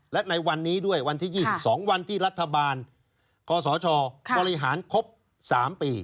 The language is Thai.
และในวันนี้ด้วยวันที่๒๒วันที่รัฐบาลคศบริหารครบ๓ปี